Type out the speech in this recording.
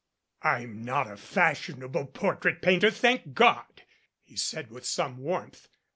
"I'm not a fashionable portrait painter, thank God," he said with some warmth.